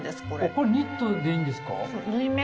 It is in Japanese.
これニットでいいんですか？